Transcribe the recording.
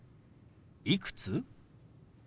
「いくつ？」。